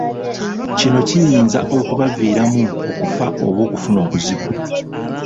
Kino kiyinza okubaviiramu okufa oba okufuna obuzibu.